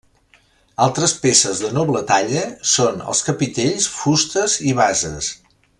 Altres peces de noble talla són els capitells, fustes i bases.